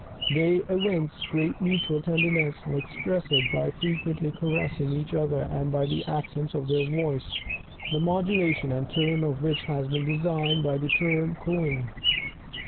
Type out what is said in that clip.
They evince great mutual tenderness and express it by frequently caressing each other, and by the accents of their voice, the modulation and tone of which have been designated by the term cooing.